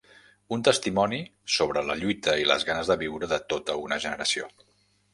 Un testimoni sobre la lluita i les ganes de viure de tota una generació.